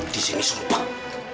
di sini sumpah